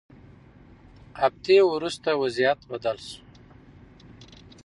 هفتې وروسته وضعیت بدل شو.